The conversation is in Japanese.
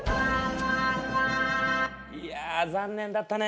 いやあ残念だったね。